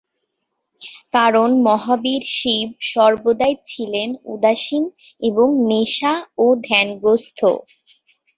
কারণ মহাবীর শিব সর্বদাই ছিলেন উদাসীন এবং নেশা ও ধ্যানগ্রস্থ।